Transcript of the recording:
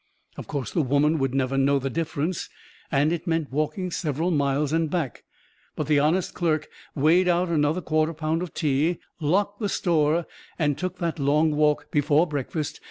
Of course, the woman would never know the difference, and it meant walking several miles and back, but the honest clerk weighed out another quarter pound of tea, locked the store and took that long walk before breakfast.